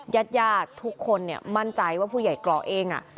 ญาติทุกคนมั่นใจว่าผู้ใหญ่เกราะเอง